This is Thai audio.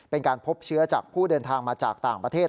เป็นการพบเชื้อจากผู้เดินทางมาจากต่างประเทศ